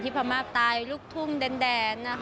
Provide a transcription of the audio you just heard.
ที่พมตราหลุกทุ่มแดนนะค่ะ